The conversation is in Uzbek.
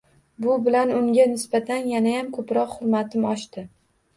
Bu bilan unga nisbatan yanayam ko‘proq hurmatim oshdi